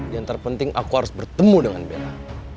dan terpenting aku harus bertemu dengan bella